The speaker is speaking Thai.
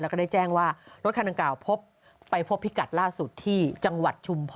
แล้วก็ได้แจ้งว่ารถคันดังกล่าวไปพบพิกัดล่าสุดที่จังหวัดชุมพร